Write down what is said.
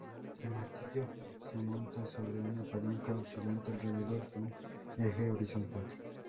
El martillo se monta sobre una palanca oscilante alrededor de un eje horizontal.